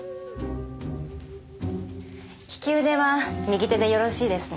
利き腕は右手でよろしいですね？